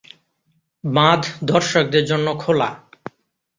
বাঁধ দর্শকদের জন্য খোলা।